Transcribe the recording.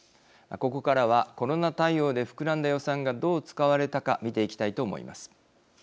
ここからはコロナ対応で膨らんだ予算がどう使われたか見ていきたいと思います。